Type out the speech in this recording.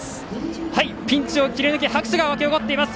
ピンチを切り抜け拍手が沸き起こっています。